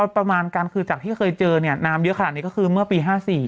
ประมาณกันคือจากที่เคยเจอเนี่ยน้ำเยอะขนาดนี้ก็คือเมื่อปี๕๔